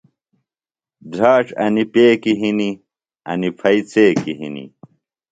دھراڇ انیۡ پیکیۡ ہِنیۡ، انیۡ پھئیۡ څیکیۡ ہِنیۡ